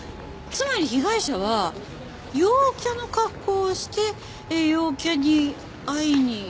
つまり被害者は陽キャの格好をして陽キャに会いに行ったとか？